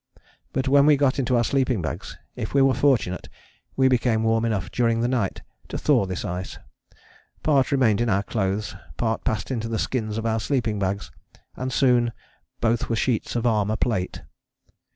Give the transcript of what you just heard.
But when we got into our sleeping bags, if we were fortunate, we became warm enough during the night to thaw this ice: part remained in our clothes, part passed into the skins of our sleeping bags, and soon both were sheets of armour plate.